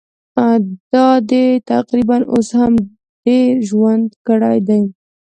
دا دی تقریباً اوس مې هم ډېر ژوند کړی دی.